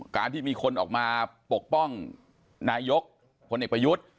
การที่มีคนออกมาปกป้องนายกพลเอกประยุทธ์